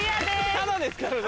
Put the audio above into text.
タダですからね。